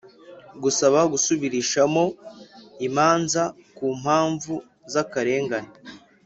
gusaba gusubirishamo imanza ku mpamvu z’akarengane: